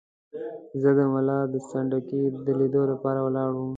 زه د ملا سنډکي د لیدلو لپاره ولاړم.